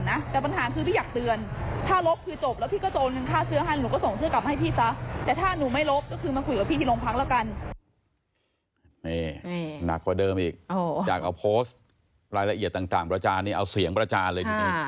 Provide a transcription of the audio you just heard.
นี่มากกว่าเดิมอีกจากเอาโพสต์รายละเอียดต่างบรรจานนี้เอาเสียงบรรจานเลย